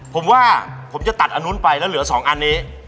ผมว่าผมจะตัดอันนู้นไปแล้วเหลือ๒อันนี้